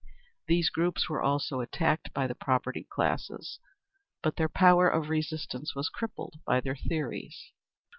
These groups were also attacked by the propertied classes, but their power of resistance was crippled by their theories.